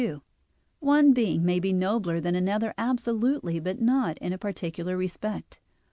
2: One being may be nobler than another absolutely, but not in a particular respect.